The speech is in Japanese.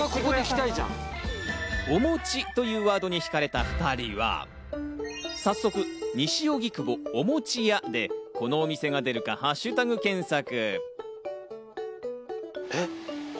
おもちというワードにひかれた２人は、早速、西荻窪、おもちやでこのお店が出るか、ハッシュタグ検索。